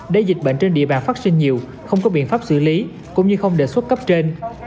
để dịch bệnh trên địa bàn phát sinh nhiều không có biện pháp xử lý cũng như không đề xuất cấp trên